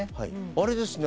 あれですね